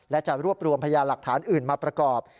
และจะรวบรวมพยานหลักฐานอื่นมาประกอบ